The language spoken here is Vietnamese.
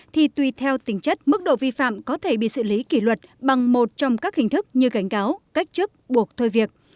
thì tùy theo tính chất mức độ vi phạm có thể bị xử lý kỷ luật bằng một trong các hình thức như gánh gáo cách chức buộc thôi việc